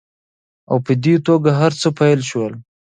او په دې توګه هرڅه پیل شول